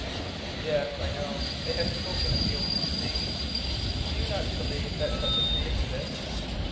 "Yes, I know; they have spoken of the open sea." "Do you not believe that such a sea exists?"